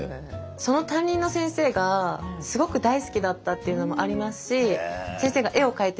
その担任の先生がすごく大好きだったっていうのもありますしへえ。